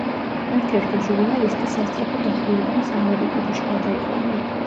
ერთ-ერთი ჟურნალისტი სასწრაფო დახმარებამ საავადმყოფოში გადაიყვანა.